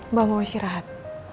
mbak mau istirahat